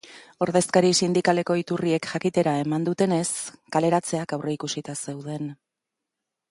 Ordezkari sindikaleko iturriek jakitera eman dutenez, kaleratzeak aurreikusita zeuden.